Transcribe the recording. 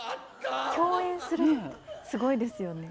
共演するってすごいですよね。